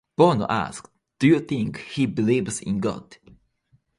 Bono asked, Do you think he believes in God?